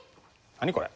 何これ？